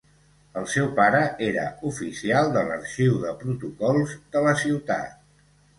El seu pare era oficial de l'Arxiu de protocols de la ciutat.